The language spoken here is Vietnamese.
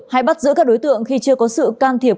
hay bắt giữ các đối tượng khi chưa có sự can thiệp